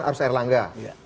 harus air langga